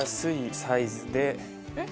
えっ？